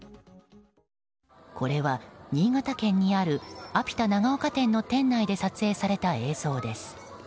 これは、新潟県にあるアピタ長岡店の店内で撮影された映像です。